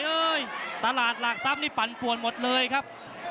อุ้ยตลาดหลากซ้ำนี่ปั่นปวนหมดเลยครับ